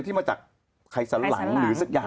ที่มาจากไขสันหลัง